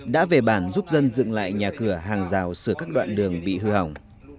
đã về bản giúp dân dựng lại nhà cửa hàng rào sửa các đoạn đường bị hư hỏng